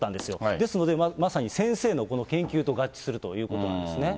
ですので、まさに先生の、この研究と合致するということなんですね。